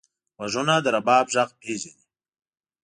غوږونه د رباب غږ پېژني